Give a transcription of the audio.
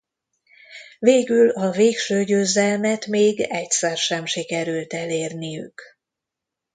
Végül a végső győzelmet még egyszer sem sikerült elérniük.